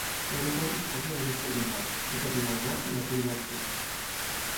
L'aeroport disposa de dues terminals, la Terminal Nord i la Terminal Sud.